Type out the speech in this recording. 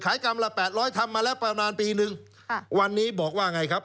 กรรมละแปดร้อยทำมาแล้วประมาณปีนึงค่ะวันนี้บอกว่าไงครับ